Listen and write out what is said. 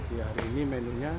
ya hari ini menunya